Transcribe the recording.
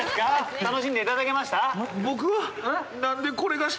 楽しんでいただけました？